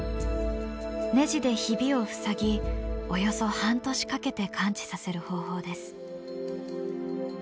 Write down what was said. ネジでヒビを塞ぎおよそ半年かけて完治させる方法です。